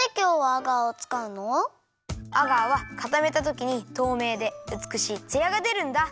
アガーはかためたときにとうめいでうつくしいツヤがでるんだ。